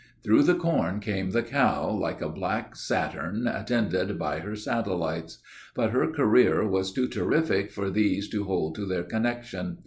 Through the corn came the cow, like a black Saturn attended by her satellites. But her career was too terrific for these to hold to their connection.